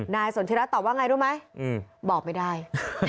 สนทิรัฐตอบว่าไงรู้ไหมบอกไม่ได้